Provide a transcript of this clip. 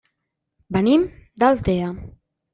Venim d'Altea.